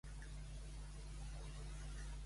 L'honra no es porta pintada a la cara.